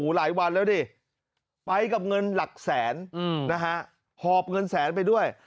หลายวันแล้วดิไปกับเงินหลักแสนนะฮะหอบเงินแสนไปด้วย